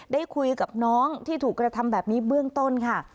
ได้คุยกับน้องที่ถูกกระทำแบบนี้เบื้องต้นค่ะ